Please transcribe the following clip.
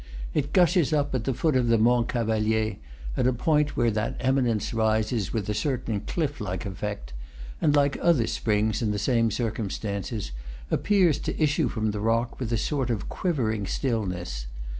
It gushes up at the foot of the Mont Cavalier, at a point where that eminence rises with a certain cliff like effect, and, like other springs in the same circumstances, appears to issue from the rock with a sort of quivering stillness.